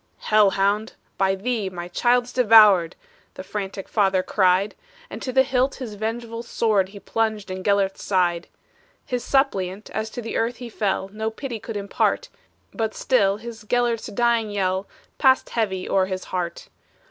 "Hell hound! by thee my child's devoured!" The frantic father cried; And to the hilt his vengeful sword He plunged in Gelert's side. His suppliant, as to earth he fell, No pity could impart; But still his Gelert's dying yell Passed heavy o'er his heart.